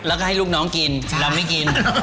แล้วก็ให้ลูกน้องกินแต่เราไม่กิน